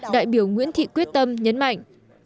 đại biểu nguyễn thị quyết tâm nhấn mạnh